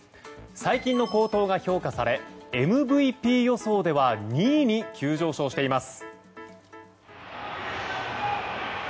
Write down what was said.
最近の好投が評価されＭＶＰ予想では２位に急上昇しています。